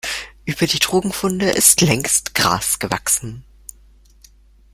Über die Drogenfunde ist längst Gras gewachsen.